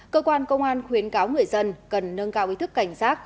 cơ quan công an khuyến cáo người dân cần nâng cao ý thức cảnh giác